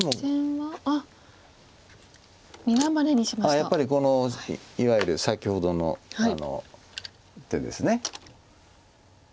やっぱりこのいわゆる先ほどの手です。